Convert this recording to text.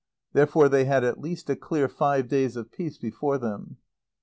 Therefore they had at least a clear five days of peace before them.